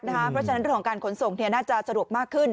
เพราะฉะนั้นเรื่องของการขนส่งน่าจะสะดวกมากขึ้น